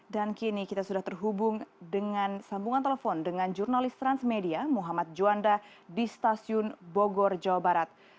dan kini kita sudah terhubung dengan sambungan telepon dengan jurnalis transmedia muhammad juanda di stasiun bogor jawa barat